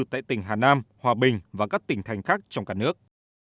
tại tỉnh hà nam hòa bình và các tỉnh thành khác trong cả nước